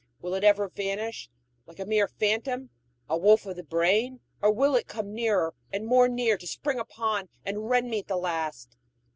Will it ever vanish, like a mere phantom a wolf of the brain or will it come nearer and more near, to spring upon and rend me at the last?